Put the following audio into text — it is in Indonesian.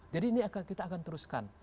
jadi ini kita akan teruskan